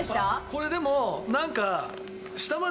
これでもなんか。